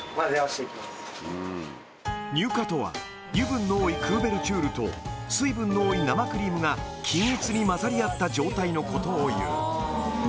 乳化とは油分の多いクーベルチュールと水分の多い生クリームが均一に混ざり合った状態のことをいう